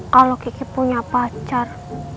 kalau kiki punya pacar